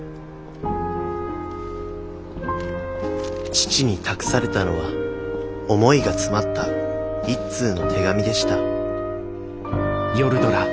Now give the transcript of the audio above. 父に託されたのは思いが詰まった一通の手紙でしたえっ？